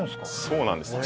そうなんです。